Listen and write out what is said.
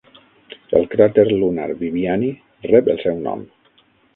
El cràter lunar Viviani rep el seu nom.